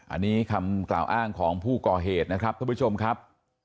อันนี้คำกล่าวอ้างของผู้ก่อเหตุนะครับท่านผู้ชมครับ